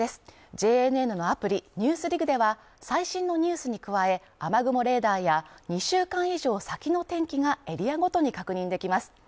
ＪＮＮのアプリ「ＮＥＷＳＤＩＧ」では最新のニュースに加え、雨雲レーダーや２週間以上先の天気がエリアごとに確認できます。